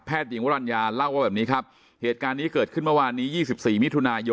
แพทย์งิองวรรรณญาเล่าว่าแบบนี้ครับเหตุการณ์นี้เกิดขึ้นเมื่อวานนี้